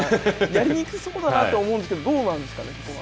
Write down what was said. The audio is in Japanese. やりにくそうだなと思うんですけれども、どうなんですかね、そこは。